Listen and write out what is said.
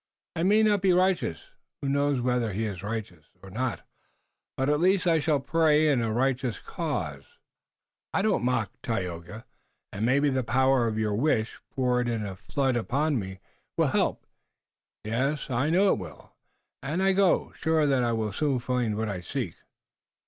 I may not be righteous, who knows whether he is righteous or not? but, at least, I shall pray in a righteous cause." "I don't mock, Tayoga, and maybe the power of your wish, poured in a flood upon me, will help. Yes, I know it will, and I go now, sure that I will soon find what I seek."